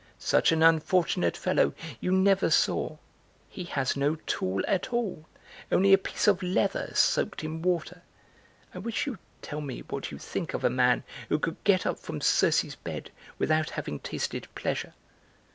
Such an unfortunate fellow you never saw. He has no tool at all, only a piece of leather soaked in water! I wish you would tell me what you think of a man who could get up from Circe's bed without having tasted pleasure!"